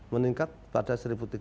meningkat pada dua ribu tiga